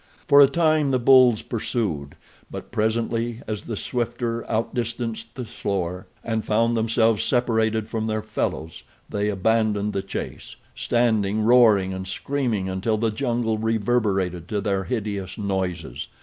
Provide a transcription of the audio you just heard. For a time the bulls pursued; but presently, as the swifter outdistanced the slower and found themselves separated from their fellows they abandoned the chase, standing roaring and screaming until the jungle reverberated to their hideous noises.